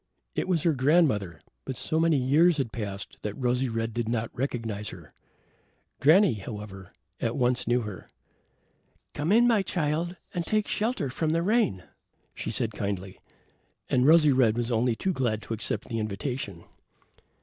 It was her grandmother, but so many years had passed that Rosy red did not recognize her. Granny, however, at once knew her. "Come in, my child, and take shelter from the rain," she said kindly, and Rosy red was only too glad to accept the invitation.